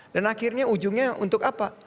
dan akhirnya ujungnya untuk apa